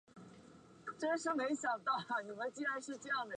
多刺腔吻鳕为长尾鳕科腔吻鳕属的鱼类。